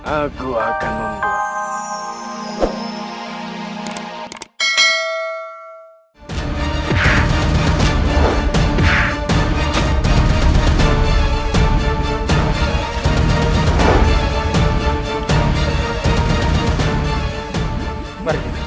aku akan membawa